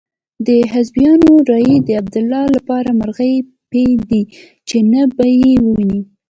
د حزبیانو رایې د عبدالله لپاره مرغۍ پۍ دي چې نه به يې وویني.